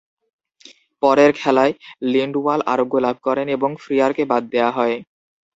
পরের খেলায় লিন্ডওয়াল আরোগ্য লাভ করেন ও ফ্রিয়ারকে বাদ দেয়া হয়।